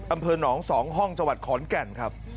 อำเภอหนอง๒ห้องจังหวัดขอนแก่นครับ